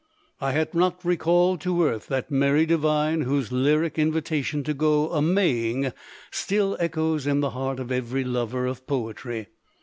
I had not re called to earth that merry divine whose lyric in vitation to go a Maying still echoes in the heart of every lover of poetry.